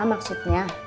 grup wa maksudnya